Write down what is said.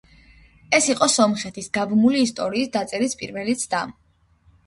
ეს იყო სომხეთის გაბმული ისტორიის დაწერის პირველი ცდა.